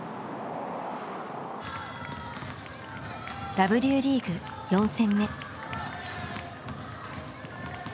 Ｗリーグ４戦目。